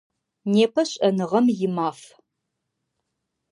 Непэ Шӏэныгъэм и Маф.